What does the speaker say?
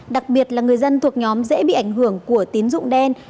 đặc biệt là người dân thuộc nhóm dễ bị ảnh hưởng của tín dụng đen